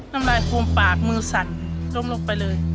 นำลายฟูมิปากมือสัตว์ล้มลงไปเลย